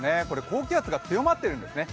高気圧が強まっているんですね。